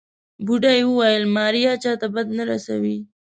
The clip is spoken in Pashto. بوډۍ وويل ماريا چاته بد نه رسوي.